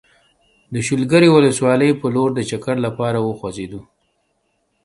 د شولګرې ولسوالۍ په لور د چکر لپاره وخوځېدو.